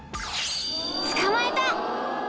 捕まえた！